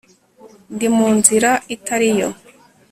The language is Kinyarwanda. Ndi mu nzira itari yo